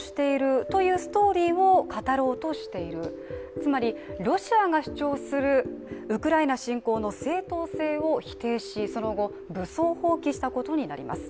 つまりロシアが主張するウクライナ侵攻の正当性を否定しその後、武装蜂起したことになります。